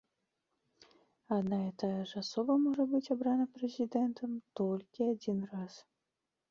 Адна і тая ж асоба можа быць абрана прэзідэнтам толькі адзін раз.